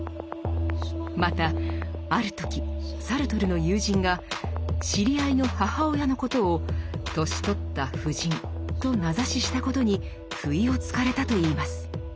またある時サルトルの友人が知り合いの母親のことを「年取った婦人」と名指ししたことに不意をつかれたといいます。